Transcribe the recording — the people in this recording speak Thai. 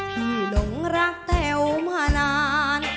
หลงรักแต๋วมานาน